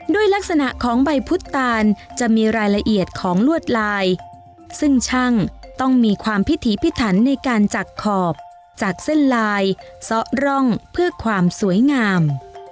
ด้วยลักษณะของใบพุทธตาลจะมีรายละเอียดของลวดลายซึ่งช่างต้องมีความพิถีพิถันในการจักขอบจากเส้นลายซะร่องเพื่อความสวยงาม